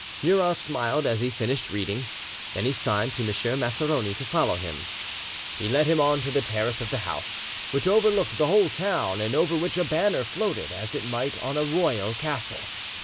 Murat smiled as he finished reading, then he signed to M. Maceroni to follow him: He led him on to the terrace of the house, which looked over the whole town, and over which a banner floated as it might on a royal castle.